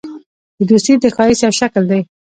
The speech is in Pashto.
دوستي د ښایست یو شکل دی.